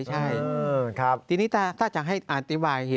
ใช่ทีนี้ถ้าจะให้อธิบาย